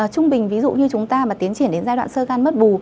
trung bình ví dụ như chúng ta mà tiến triển đến giai đoạn sơ gan mất bù